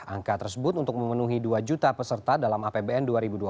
angka tersebut untuk memenuhi dua juta peserta dalam apbn dua ribu dua puluh